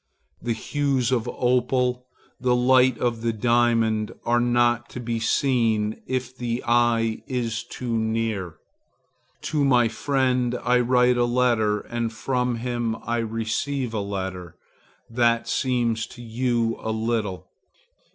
The hues of the opal, the light of the diamond, are not to be seen if the eye is too near. To my friend I write a letter and from him I receive a letter. That seems to you a little.